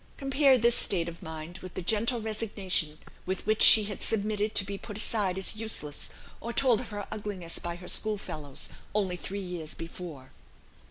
Compare this state of mind with the gentle resignation with which she had submitted to be put aside as useless, or told of her ugliness by her school fellows, only three years before.